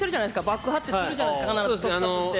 爆破ってするじゃないですか特撮って。